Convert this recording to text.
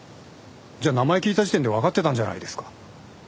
じゃあ名前聞いた時点でわかってたんじゃないですか。